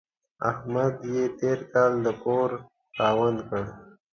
احمد يې تېر کال د کور خاوند کړ.